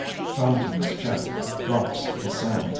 Fountains jet; drops descend.